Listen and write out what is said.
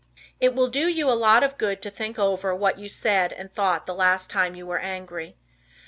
It will do you a lot of good to think over what you said and thought the last time you were angry.